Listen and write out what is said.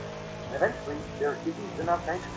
অস্থির ভাব আবার ফিরে এসেছে।